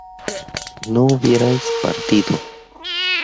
¿no hubierais partido?